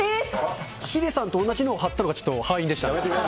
ヒデさんと同じのをはったのがきっと敗因でしたね。